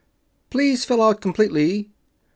please fill out completely ...